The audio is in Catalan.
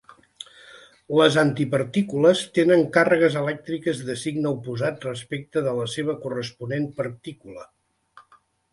Les antipartícules tenen càrregues elèctriques de signe oposat respecte de la seva corresponent partícula.